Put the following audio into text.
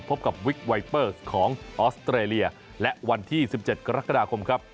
พบกับวิกไวเปอร์สของออสเตรเลียและวันที่๑๗กรกฎาคมครับ